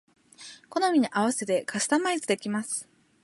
好みに合わせてカスタマイズできます